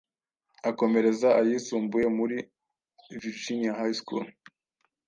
akomereza ayisumbuye muri Virginia High School